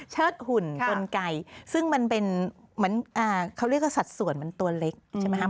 เชิดหุ่นตนไก่ซึ่งสัดส่วนเหมือนตัวเล็กใช่ไหม